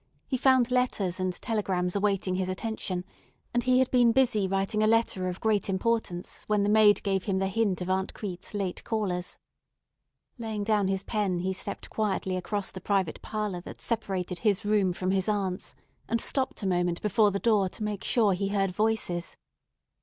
He found letters and telegrams awaiting his attention, and he had been busy writing a letter of great importance when the maid gave him the hint of Aunt Crete's late callers. Laying down his pen, he stepped quietly across the private parlor that separated his room from his aunt's, and stopped a moment before the door to make sure he heard voices.